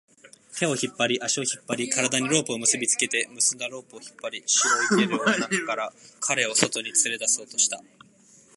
手を引っ張り、足を引っ張り、体にロープを結びつけて、結んだロープを引っ張り、白いゲルの中から彼を外に連れ出そうとした